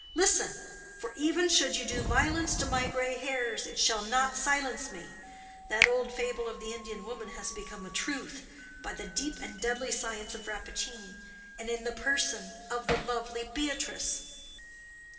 Listen; for, even should you do violence to my gray hairs, it shall not silence me. That old fable of the Indian woman has become a truth by the deep and deadly science of Rappaccini and in the person of the lovely Beatrice."